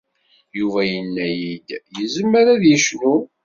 Yuba yenna-yi-d yezmer ad yecnu.